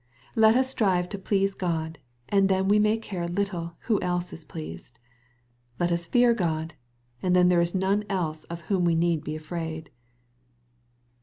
Let us strive to please Q od, and then we may care little who else is pleased. Let us fear God, and then there is none else of whom we need be afiraid.